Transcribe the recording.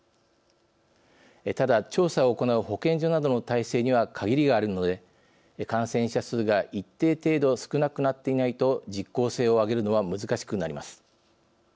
ただ、調査を行う保健所などの体制には限りがあるので感染者数が一定程度少なくなっていないと実効性を上げるのは難しくなります。